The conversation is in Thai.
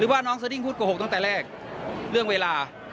ว่าน้องสดิ้งพูดโกหกตั้งแต่แรกเรื่องเวลา